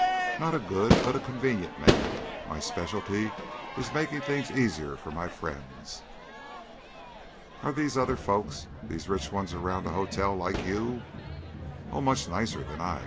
"Not a good, but a convenient man. My specialty is making things easier for my friends." "Are these other folks, these rich ones around the hotel, like you?" "Oh, much nicer than I!"